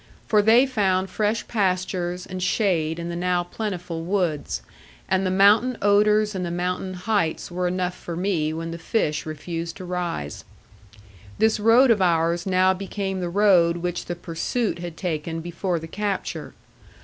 For they found fresh pastures and shade in the now plentiful woods; and the mountain odors and the mountain heights were enough for me when the fish refused to rise. This road of ours now became the road which the pursuit had taken before the capture.